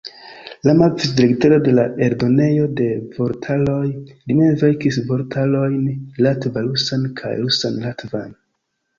Iama vic-direktoro de la Eldonejo de Vortaroj, li mem verkis vortarojn latva-rusan kaj rusa-latvan.